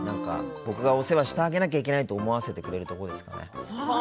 僕がお世話しないといけないと思わせてくれるところですかね。